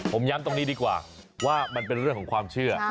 ผมย้ำตรงนี้ดีกว่าว่ามันเป็นเรื่องของความเชื่อ